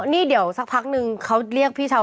นี่เดี๋ยวสักพักนึงเขาเรียกพี่ชาว